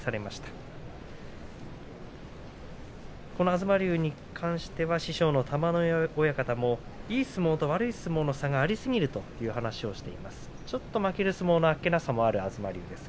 東龍に関しては師匠の玉ノ井親方もいい相撲と悪い相撲の差がありすぎるという話をしています。